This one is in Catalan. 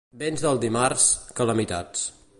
Vents del dimarts, calamitats.